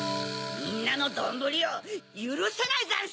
みんなのどんぶりをゆるせないざんす！